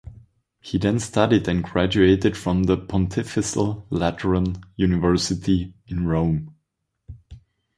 He then studied and graduated from the Pontifical Lateran University in Rome.